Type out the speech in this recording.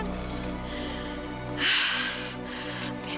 selepas ini dia akhirnya